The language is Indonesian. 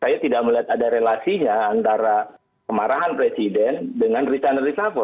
saya tidak melihat ada relasinya antara kemarahan presiden dengan return reshuffle